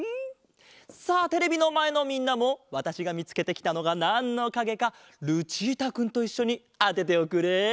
さあテレビのまえのみんなもわたしがみつけてきたのがなんのかげかルチータくんといっしょにあてておくれ。